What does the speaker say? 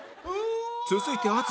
続いて淳